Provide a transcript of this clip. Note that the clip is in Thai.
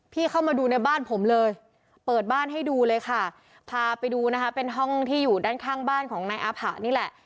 ผมเลยเปิดบ้านให้ดูเลยค่ะพาไปดูนะคะเป็นห้องที่อยู่ด้านข้างบ้านของนายอภะนี่แหละ